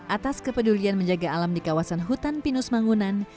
atas kepedulian menjaga alam di kawasan hutan pinus mangunan